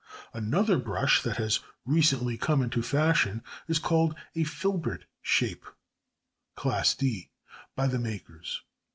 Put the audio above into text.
Another brush that has recently come into fashion is called a filbert shape (Class D) by the makers.